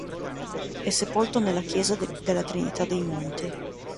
È sepolto nella Chiesa della Trinità dei Monti.